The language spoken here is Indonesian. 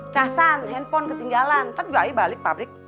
casan handphone ketinggalan ntar gua balik pabrik